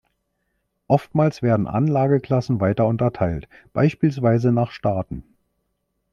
Oftmals werden Anlageklassen weiter unterteilt, beispielsweise nach Staaten.